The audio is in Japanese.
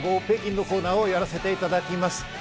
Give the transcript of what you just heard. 北京！のコーナーをやらせていただきます。